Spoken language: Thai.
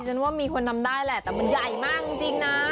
ฉันว่ามีคนทำได้แหละแต่มันใหญ่มากจริงนะ